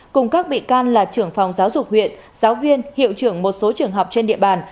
cùng các bị can là trưởng phòng giáo dục huyện giáo viên hiệu trưởng một số trường học trên địa bàn